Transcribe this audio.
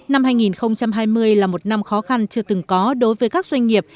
năm hai nghìn hai mươi là một năm khó khăn chưa từng có đối với các doanh nghiệp